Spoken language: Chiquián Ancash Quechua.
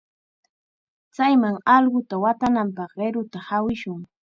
Chayman allquta watanapaq qiruta hawishun.